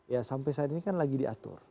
ya sampai saat ini kan lagi diatur